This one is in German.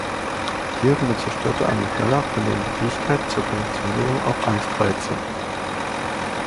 Tiere mit zerstörter Amygdala verlieren die Fähigkeit zur Konditionierung auf Angst-Reize.